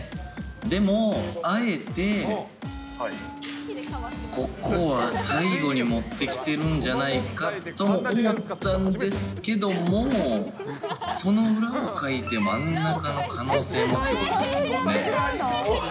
でも、あえてここは最後に持ってきてるんじゃないかと思ったんですけども、その裏をかいて真ん中の可能性もってことですよね。